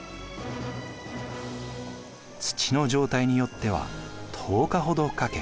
土の状態によっては１０日ほどかけ